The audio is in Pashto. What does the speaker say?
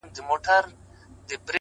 هوډ د وېرې سیوري لنډوي!